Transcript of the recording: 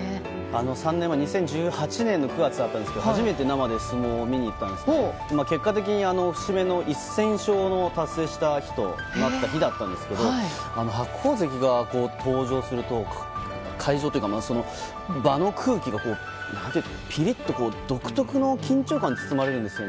３年前の２０１８年９月初めて生で相撲を見に行ったんですけど結果的に節目の１０００勝を達成した日となった日だったんですが白鵬関が登場すると会場というか、場の空気がピリッと独特の緊張感に包まれるんですよね。